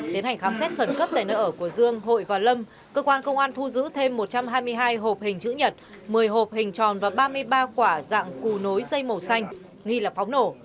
đến hành khám xét khẩn cấp tại nơi ở của dương hội và lâm cơ quan công an thu giữ thêm một trăm hai mươi hai hộp hình chữ nhật một mươi hộp hình tròn và ba mươi ba quả dạng cù nối dây màu xanh nghi là pháo nổ